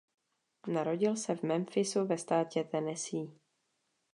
Narodil se v Memphisu ve státě Tennessee.